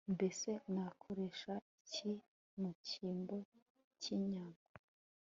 mbese nakoresha iki mu cyimbo cyinyama